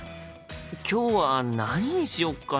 今日は何にしよっかな？